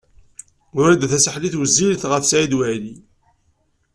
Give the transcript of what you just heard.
Wrida Tasaḥlit wezzilet ɣef Saɛid Waɛli.